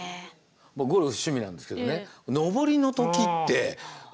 僕ゴルフが趣味なんですけどね